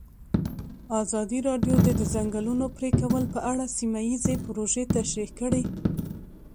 ازادي راډیو د د ځنګلونو پرېکول په اړه سیمه ییزې پروژې تشریح کړې.